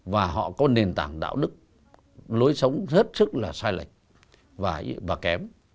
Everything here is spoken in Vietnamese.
và họ có nền tảng đạo đức lối sống hết sức là sai lệch và kém